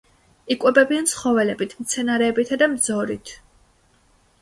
იკვებებიან ცხოველებით, მცენარეებითა და მძორით.